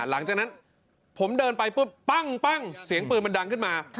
หลังจากนั้นผมเดินไปปุ๊บปั้งเสียงปืนมันดังขึ้นมา